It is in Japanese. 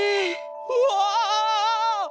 うわ！